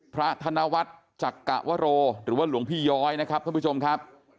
พระธนวัฒน์จักรวโรหรือว่าหลวงพี่ย้อยนะครับท่านผู้ชมครับ